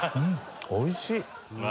おいしい！